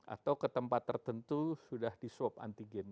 atau ke tempat tertentu sudah di swab antigen